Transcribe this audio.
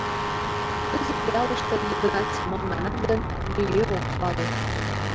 Кызыт ялыште Йыгнат Семон манат гын, нигӧ ок пале.